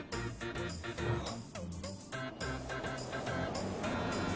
あっ。